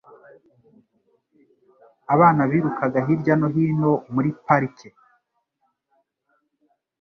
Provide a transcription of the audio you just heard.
Abana birukaga hirya no hino muri parike